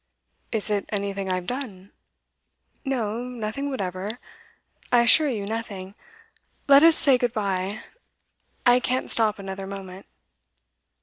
'Is it anything I've done?' 'No nothing whatever. I assure you, nothing. Let us say good bye; I can't stop another moment.